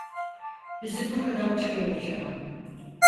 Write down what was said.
Bizi buradan çıkaracağım.